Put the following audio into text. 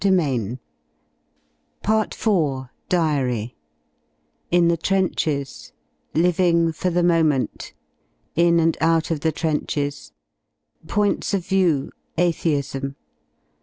6i PART FOUR ■ DIARY § In the trenches. § Living for the moment. §In and out of the trenches. § Points of view: atheism.